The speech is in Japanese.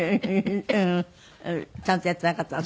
ううん。ちゃんとやってなかったの。